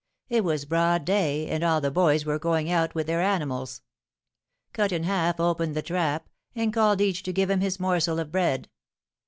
It was broad day, and all the boys were going out with their animals. Cut in Half opened the trap, and called each to give him his morsel of bread.